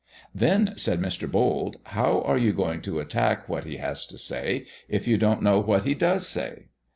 "Then," said Mr. Bold, "how are you going to attack what he has to say if you don't know what he does say?"